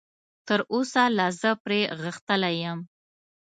تراوسه لا زه پرې غښتلی یم.